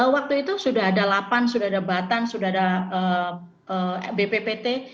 waktu itu sudah ada lapan sudah ada batan sudah ada bppt